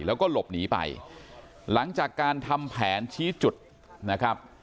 แล้วก็หลบหนีไปหลังจากการทำแผนชี้จุดนะครับ